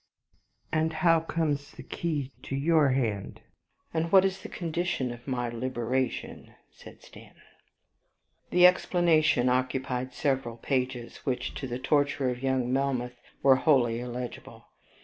"And how comes the key in your hand? and what is the condition of my liberation?" said Stanton. ..... The explanation occupied several pages, which, to the torture of young Melmoth, were wholly illegible.